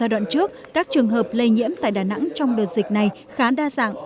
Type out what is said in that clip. giai đoạn trước các trường hợp lây nhiễm tại đà nẵng trong đợt dịch này khá đa dạng